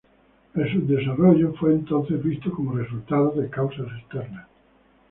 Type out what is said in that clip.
El subdesarrollo fue entonces visto como resultado de causas externas.